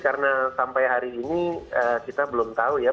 karena sampai hari ini kita belum tahu ya